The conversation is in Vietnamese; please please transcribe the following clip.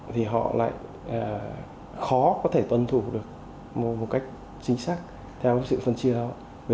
thì họ lại khó có thể tuân thủ được một cách chính xác theo sự phân chia đó